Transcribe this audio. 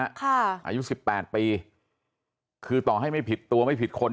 อายุสิบแปดปีคือต่อให้ไม่ผิดตัวไม่ผิดคน